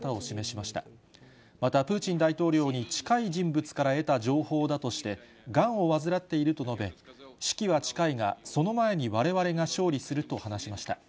またプーチン大統領に近い人物から得た情報だとして、がんを患っていると述べ、死期は近いが、その前にわれわれが勝利すると話しました。